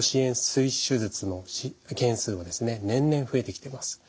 すい手術の件数もですね年々増えてきてます。